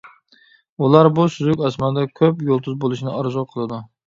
ئۇلار بۇ سۈزۈك ئاسماندا كۆپ يۇلتۇز بولۇشىنى ئارزۇ قىلىدۇ.